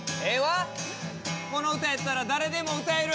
この歌やったら誰でも歌える。